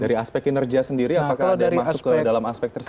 dari aspek kinerja sendiri apakah ada yang masuk ke dalam aspek tersebut